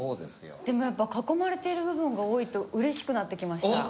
でもやっぱ囲まれている部分が多いとうれしくなってきました。